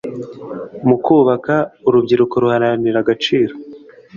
mukubaka urubyiruko ruharanira agaciro